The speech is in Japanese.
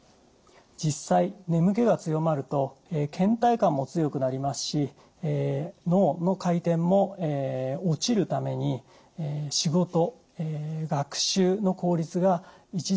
実際眠気が強まるとけん怠感も強くなりますし脳の回転も落ちるために仕事学習の効率が著しく落ちます。